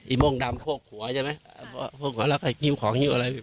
ม่วงดำโคกหัวใช่ไหมพวกหัวแล้วก็หิ้วของฮิ้วอะไรพี่